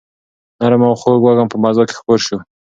نرم او خوږ وږم په فضا کې خپور شو.